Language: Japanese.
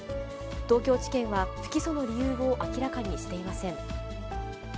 東京地検は不起訴の理由を明らかにしていません。